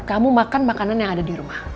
kamu makan makanan yang ada di rumah